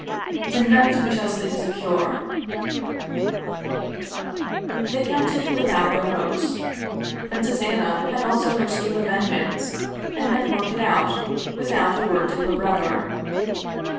" To night we shall sleep secure !" They counted without their host. Princess Anna had also her scheme of vengeance, and had worked it out, with out a word to her brother.